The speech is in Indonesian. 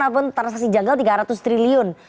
namun transaksi janggal tiga ratus triliun